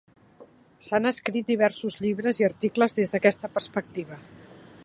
S'han escrit diversos llibres i articles des d'aquesta perspectiva.